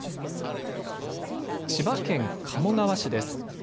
千葉県鴨川市です。